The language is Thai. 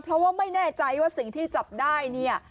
เพราะว่าไม่แน่ใจว่าสิ่งที่จับได้เนี่ย